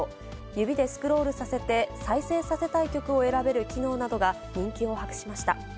指でスクロールさせて、再生させたい曲を選べる機能などが人気を博しました。